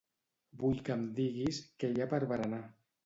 Vull que em diguis què hi ha per berenar.